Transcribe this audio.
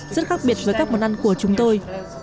rất khác biệt với các món ăn của chúng tôi